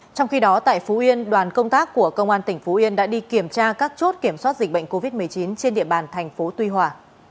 trong khi đó tại phú yên đoàn công tác của công an tỉnh phú yên đã đi kiểm tra các chốt kiểm soát dịch bệnh covid một mươi chín trên địa bàn thành phố tuy hòa